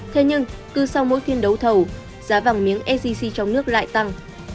thế nhưng cứ sau mỗi phiên đấu thầu giá vàng miếng sgc trong nước lại tăng